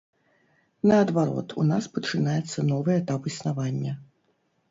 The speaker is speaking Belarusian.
Наадварот, у нас пачынаецца новы этап існавання.